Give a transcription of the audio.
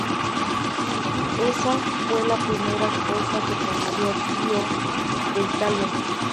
Esa fue la primera cosa que Prudencia vio de Italia.